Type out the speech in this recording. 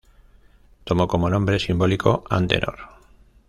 Tomó como nombre simbólico Antenor.